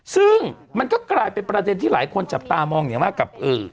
ซึ่งมันก็กลายเป็นประเด็นที่หลายคนจับตามองอย่างมากกับ